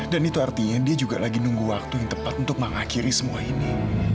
itu artinya dia juga lagi nunggu waktu yang tepat untuk mengakhiri semua ini